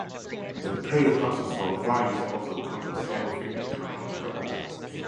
This period also saw various other cultural, scientific and technological advances.